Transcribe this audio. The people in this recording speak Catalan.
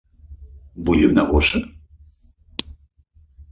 Vull una bossa?